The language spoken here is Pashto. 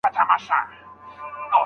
په شخړو کي نجلۍ مه ورکوئ.